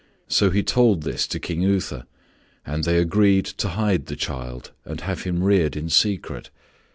So he told this to King Uther, and they agreed to hide the child and have him reared in secret.